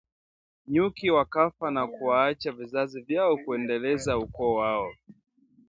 Nyuki wakafa na kuwaacha vizazi vyao kuendeleza ukoo wao